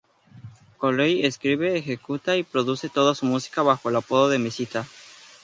Cooley escribe, ejecuta, y produce toda su música bajo el apodo de "Mesita".